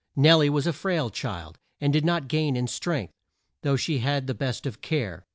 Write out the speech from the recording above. Nel lie was a frail child, and did not gain in strength, though she had the best of care.